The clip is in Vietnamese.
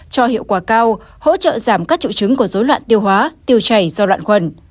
cho hiệu quả cao hỗ trợ giảm các triệu chứng của dối loạn tiêu hóa tiêu chảy do loạn quần